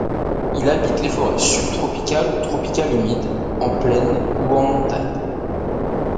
Il habite les forêts subtropicales ou tropicales humides, en plaine ou en montagne.